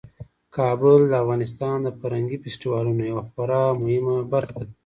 کابل د افغانستان د فرهنګي فستیوالونو یوه خورا مهمه برخه ده.